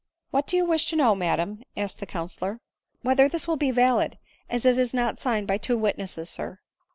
" What do you wish to know, madam ?" asked the counsellor. " Whether this will be valid, as it is not signed by two witnesses, sir?"